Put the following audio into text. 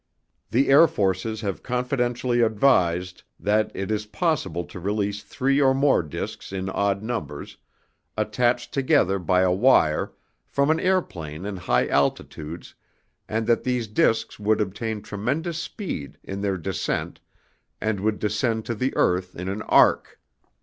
The Air Forces have confidentially advised that it is possible to release three or more discs in odd numbers, attached together by a wire, from an airplane in high altitudes and that these discs would obtain tremendous speed in their descent and would descend to the earth in an arc.